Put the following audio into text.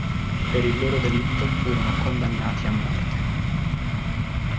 Per il loro delitto furono condannati a morte.